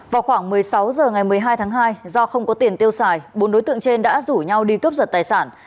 vào khoảng một mươi sáu h ngày một mươi hai tháng hai do không có tiền tiêu xài bốn đối tượng trên đã rủ nhau đi cướp giật tài sản